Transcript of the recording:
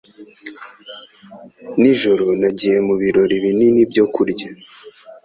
Nijoro nagiye mu birori binini byo kurya.